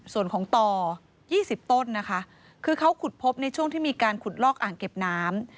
ส่วนของต่อ๒๐ต้นนะคะคือเขาขุดพบในช่วงที่มีการขุดลอกอ่างเก็บน้ำ